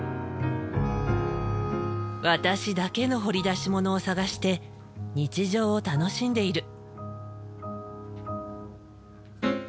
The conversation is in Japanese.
私だけの掘り出しものを探して日常を楽しんでいる。